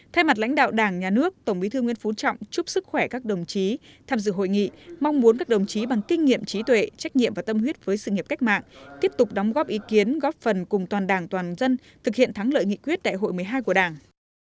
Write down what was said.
thay mặt lãnh đạo đảng nhà nước tổng bí thư nguyễn phú trọng chúc sức khỏe các đồng chí tham dự hội nghị mong muốn các đồng chí bằng kinh nghiệm trí tuệ trách nhiệm và tâm huyết với sự nghiệp cách mạng tiếp tục đóng góp ý kiến góp phần cùng toàn đảng toàn dân thực hiện thắng lợi nghị quyết đại hội một mươi hai của đảng